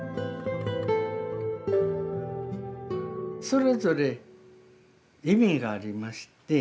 それぞれ意味がありまして。